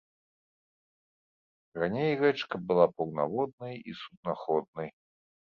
Раней рэчка была паўнаводнай і суднаходнай.